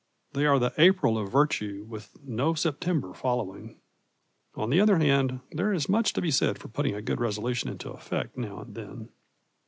They are the April of virtue with no September following. On the other hand, there is much to be said for putting a good resolution into effect now and then.